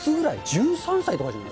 １３歳とかじゃない？